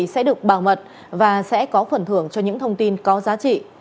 quý vị sẽ được bảo mật và sẽ có phần thưởng cho những thông tin có giá trị